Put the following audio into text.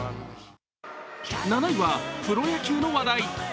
７位はプロ野球の話題。